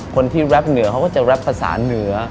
แรปเหนือเขาก็จะแรปภาษาเหนือ